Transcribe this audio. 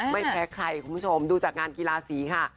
ไม่แพ้ใครคุณผู้ชมดูจากงานกีฬาสีค่ะ